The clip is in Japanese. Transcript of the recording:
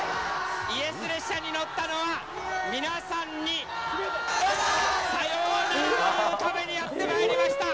イエス列車に乗ったのは、皆さんにさようならを言うためにやってまいりました。